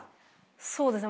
そうですね